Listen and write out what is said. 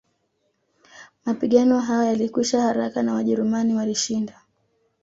Mapigano hayo yalikwisha haraka na Wajerumani walishinda